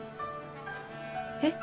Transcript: えっ？